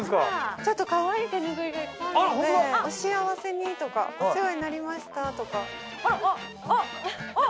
ちょっとかわいい手拭いがいっぱいあるので「お幸せに」とか「お世話になりました」とかあらあっあっあっ！